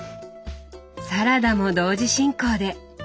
サラダも同時進行で！